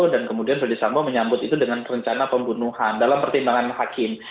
dan kemudian fadis sambo menyambut itu dengan rencana pembunuhan dalam pertimbangan hakim